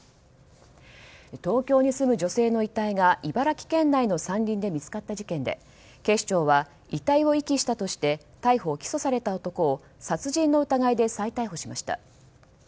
東京に住む女性の遺体が茨城県内の山林で見つかった事件で警視庁は遺体を遺棄したとして逮捕・起訴された男を殺人の疑いで再逮捕しました。